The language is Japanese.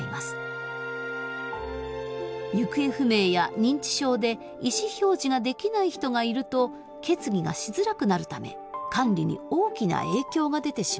行方不明や認知症で意思表示ができない人がいると決議がしづらくなるため管理に大きな影響が出てしまいます。